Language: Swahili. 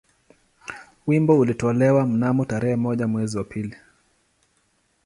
Wimbo ulitolewa mnamo tarehe moja mwezi wa pili